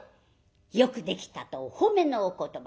「よくできた」とお褒めのお言葉。